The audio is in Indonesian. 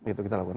itu kita lakukan